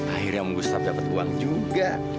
akhirnya uang gustaf dapat uang juga